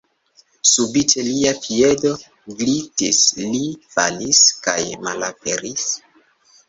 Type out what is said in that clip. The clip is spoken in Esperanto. Subite lia piedo glitis; li falis kaj malaperis.